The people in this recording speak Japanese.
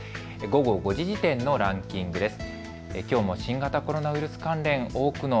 午後５時時点のランキングです。